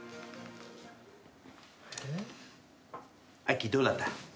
あっきーどうだった？